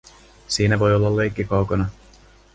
Siinä voi olla leikki kaukana.